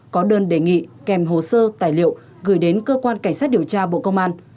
có đơn đề nghị kèm hồ sơ tài liệu gửi đến cơ quan cảnh sát điều tra bộ công an